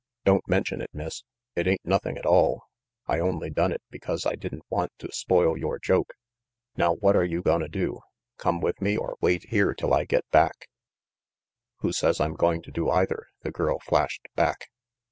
"Don't mention it, Miss. It ain't nothing at all. I only done it because I didn't want to spoil yore joke. Now what are you gonna do come with me, or wait here till I get back?" 118 RANGY PETE "Who says I'm going to do either?" the girl flashed back.